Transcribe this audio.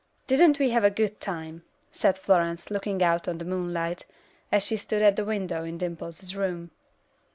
"Didn't we have a good time?" said Florence, looking out on the moonlight, as she stood at the window in Dimple's room.